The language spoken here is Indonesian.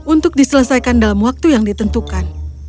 untuk diselesaikan dalam waktu yang ditentukan